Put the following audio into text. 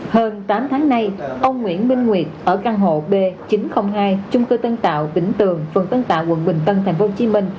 hơn tám tháng nay ông nguyễn minh nguyệt ở căn hộ b chín trăm linh hai trung cư tân tạo vĩnh tường phường tân tạo quận bình tân tp hcm